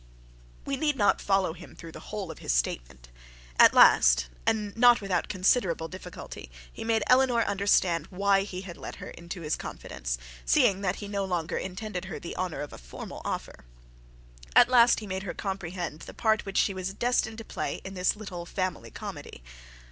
We need not follow him through the whole of his statement. At last, and not without considerable difficulty, he made Eleanor understand why he had let her into his confidence, seeing that he no longer intended her the honour of a formal offer. At last he made her comprehend the part which she was destined to play in this little family comedy.